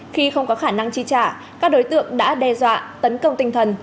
khi không có khả năng chi trả các đối tượng đã đe dọa tấn công tinh thần